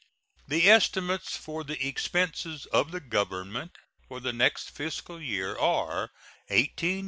The estimates for the expenses of the Government for the next fiscal year are $18,244,346.